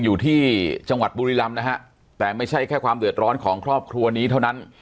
อยู่ที่จังหวัดบุรีรำนะฮะแต่ไม่ใช่แค่ความเดือดร้อนของครอบครัวนี้เท่านั้น